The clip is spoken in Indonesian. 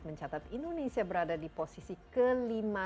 mencatat indonesia berada di posisi kelima